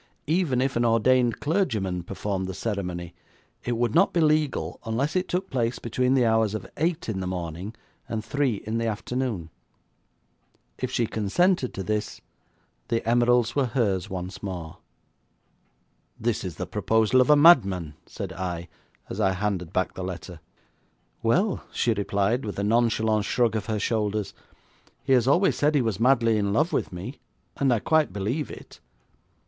Even if an ordained clergyman performed the ceremony, it would not be legal unless it took place between the hours of eight in the morning, and three in the afternoon. If she consented to this, the emeralds were hers once more. 'This is the proposal of a madman,' said I, as I handed back the letter. 'Well,' she replied, with a nonchalant shrug of her shoulders, 'he has always said he was madly in love with me, and I quite believe it.